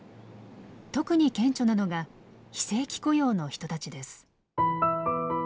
特に顕著なのが非正規雇用の人たちです。